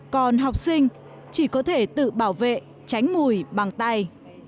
còn học sinh chỉ có thể tự bảo vệ tránh mùi bằng tay